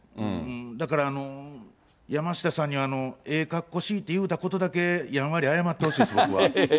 だから山下さんにはええかっこしーと言ったことだけ、やんわり謝ってほしいです、僕は。